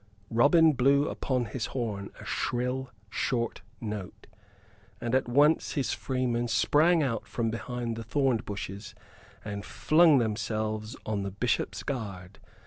Robin blew upon his horn a shrill, short note, and at once his freemen sprang out from behind the thorn bushes and flung themselves on the bishop's guard.